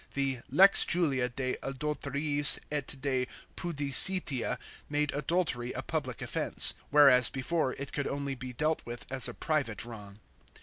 The lex Julia de adulteriis et de pudicitia, made adultery a public offence ; whereas before it could only be dealt with as a private wrong.